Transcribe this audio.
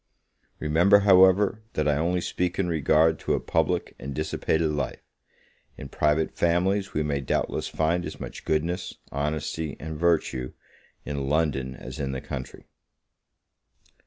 Remember, however, that I only speak in regard to a public and dissipated life; in private families we may doubtless find as much goodness, honesty, and virtue, in London as in the country.